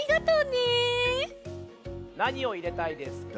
なにをいれたいですか？